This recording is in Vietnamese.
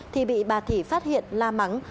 thì bị bà thị phát hiện la mắng